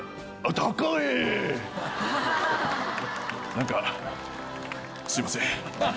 何かすいません。